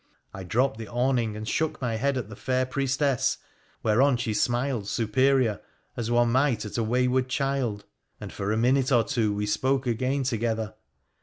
I dropped the awning, and shook my head at the fair priestess, whereon she smiled superior, as one might at a wayward child, and for a minute or two we spoke again together.